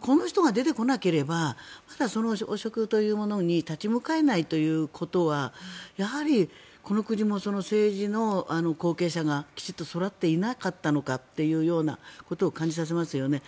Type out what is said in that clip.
この人が出てこなければその汚職というものに立ち向かえないということはやはりこの国も政治の後継者がきちんと育っていなかったということを感じさせますよね。